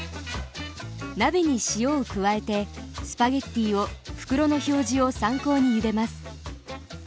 鍋に塩を加えてスパゲッティを袋の表示を参考にゆでます。